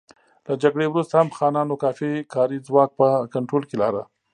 له جګړې وروسته هم خانانو کافي کاري ځواک په کنټرول کې لاره.